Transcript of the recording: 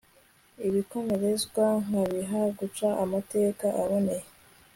ibikomerezwa nkabiha guca amateka aboneye